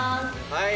はい。